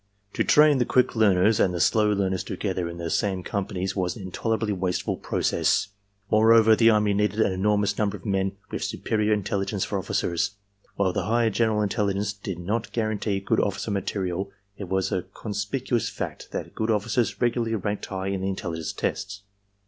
To train the quick learners and the slow learners together in the same companies was an intolerably wasteful process. Moreover, the army needed an^normous number of men with superior intelli gence for officers. While high general intelligence did not guar antee good officer material it was a conspicuous fact that good officers regularly ranked high in the intelligence tests.